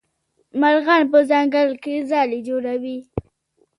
مرغان په ځنګل کې ځالې جوړوي.